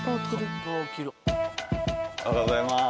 おはようございます。